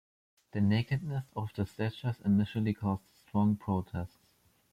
The nakedness of the statues initially caused strong protests.